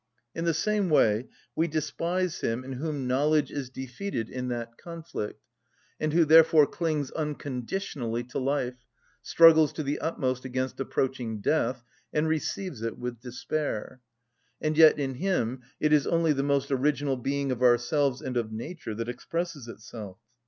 In the same way we despise him in whom knowledge is defeated in that conflict, and who therefore clings unconditionally to life, struggles to the utmost against approaching death, and receives it with despair;(28) and yet in him it is only the most original being of ourselves and of nature that expresses itself.